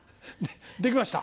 できました。